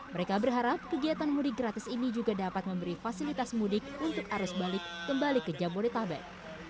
mereka berharap kegiatan mudik gratis ini juga dapat memberi fasilitas mudik untuk arus balik kembali ke jabodetabek